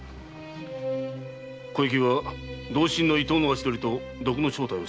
小雪は同心・伊東の足取りと毒の正体を探ってみよ。